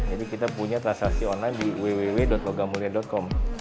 jadi kita punya transaksi online di www logamulia com